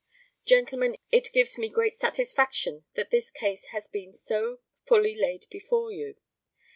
Gentlemen, it gives me great satisfaction that this case has been so fully laid before you.